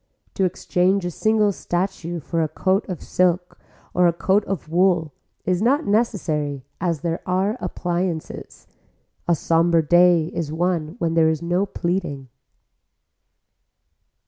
To exchange a single statue for a coat of silk and a coat of wool is not necessary as there are appliances. A somber day is one when there is no pleading.